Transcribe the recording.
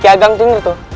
kiagang sendiri tuh